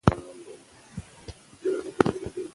مور د ماشوم د ورځني مهالوېش څاري.